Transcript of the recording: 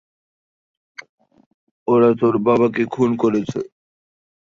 ওরা তোর বাবাকে খুন করেছে।